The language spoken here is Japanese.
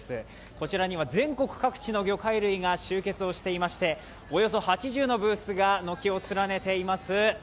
こちらには全国各地の魚介類が集結していましておよそ８０のブースが軒を連ねています。